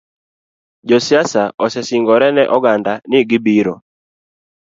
Josiasa osesingore ne oganda ni gibiro